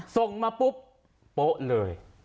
ส่งมาปุ๊บโป๊ะเลย